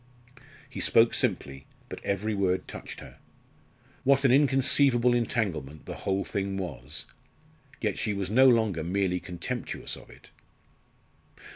He spoke simply, but every word touched her. What an inconceivable entanglement the whole thing was! Yet she was no longer merely contemptuous of it.